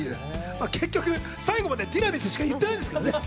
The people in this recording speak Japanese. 結局、最後までティラミスしか言ってないから。